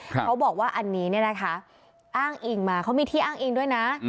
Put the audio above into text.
เขาบอกว่าอันนี้เนี่ยนะคะอ้างอิงมาเขามีที่อ้างอิงด้วยนะ